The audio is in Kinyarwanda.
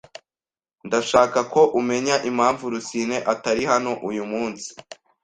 Ndashaka ko umenya impamvu Rusine atari hano uyu munsi.